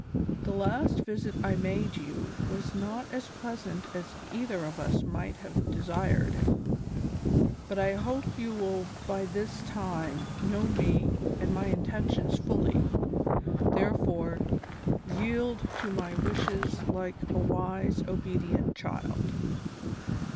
The last visit I made you was not as pleasant as either of us might have desired it, but I hope you will by this time know me and my intentions fully ; therefore, yield to my wishes like a wise, obedient child."